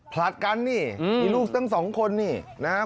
ผลัดกันนี่มีลูกทั้งสองคนนี่นะครับ